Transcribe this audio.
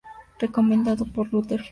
Recomendado por Rutherford.